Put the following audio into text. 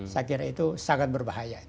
saya kira itu sangat berbahaya